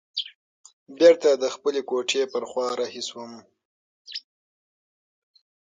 بیرته د خپلې کوټې په خوا رهي شوم.